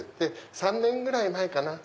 ３年ぐらい前かな。